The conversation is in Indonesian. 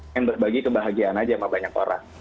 pengen berbagi kebahagiaan aja sama banyak orang